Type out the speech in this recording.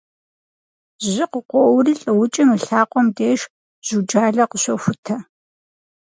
Жьы къыкъуоури лӏыукӏым и лъакъуэм деж жьуджалэ къыщохутэ.